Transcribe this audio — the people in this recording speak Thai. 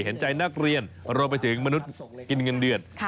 เห็นใจนักเรียนรวมไปถึงมนุษย์กินเงินเดือน